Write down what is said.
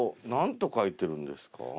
なんと書いてるんですか？